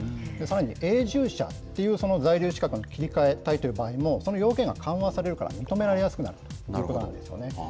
さらに、永住者っていう在留資格に切り替えたいという場合もその要件が緩和されるから、認められやすくなるということなんですよね。